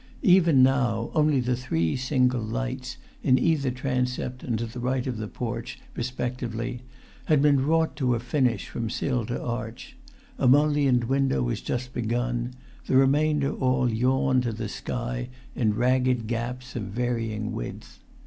Even now, only the three single lights, in either transept and to the right of the porch respectively, had been wrought to a finish from sill to arch; a mullioned window was just begun; the remainder all yawned to the sky in ragged gaps of varying width.